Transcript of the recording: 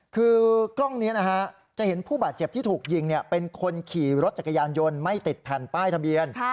คือกล้องนี้นะฮะจะเห็นผู้บาดเจ็บที่ถูกยิงเป็นคนขี่รถจักรยานยนต์ไม่ติดแผ่นป้ายทะเบียน